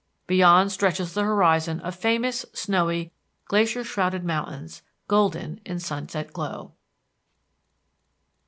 Beyond stretches the horizon of famous, snowy, glacier shrouded mountains, golden in sunset glow.